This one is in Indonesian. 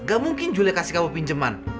gak mungkin juli kasih kamu pinjeman